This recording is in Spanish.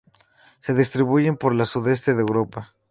Se distribuyen por el sudeste de Europa.